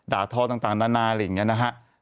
ทอต่างนานาอะไรอย่างนี้นะฮะ